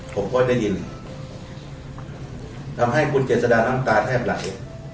ผมก็ได้ยินทำให้คุณเจษดาน้ำตาแทบไหล